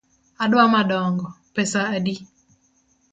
Adwa madongo, pesa adi?